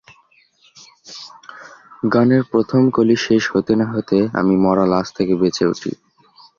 গানের প্রথম কলি শেষ হতে না হতে আমি মরা লাশ থেকে বেঁচে উঠি।